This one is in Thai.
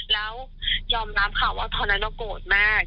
แล้วยอมรับค่ะว่าตอนนั้นเราโกรธมาก